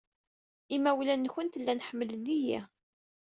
Imawlan-nwent llan ḥemmlen-iyi.